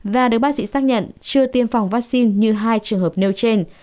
và được bác sĩ xác nhận chưa tiêm phòng vaccine như hai trường hợp nêu trên